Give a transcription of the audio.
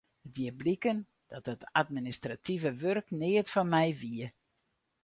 It die bliken dat dat administrative wurk neat foar my wie.